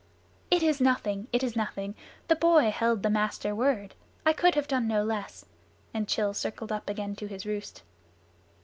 "It is nothing. It is nothing. The boy held the Master Word. I could have done no less," and Rann circled up again to his roost.